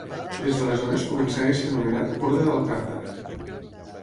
Des d'aleshores començà a ésser anomenat Orde d'Alcántara.